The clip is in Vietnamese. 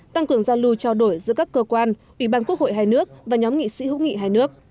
tăng cường giao lưu trao đổi giữa các cơ quan ủy ban quốc hội hai nước và nhóm nghị sĩ hữu nghị hai nước